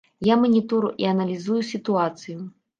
Я манітору і аналізую сітуацыю.